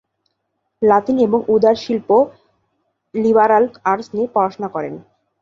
লাতিন এবং উদার শিল্প/লিবারাল আর্টস নিয়ে পড়াশুনা করেন।